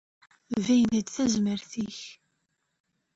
Beyyen-d tazmert-ik.